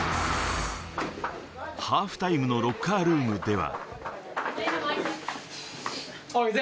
ハーフタイムのロッカールームでは。